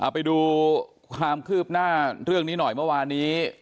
ไปดูความคืบหน้าเรื่องนี้หน่อยเมื่อวานนี้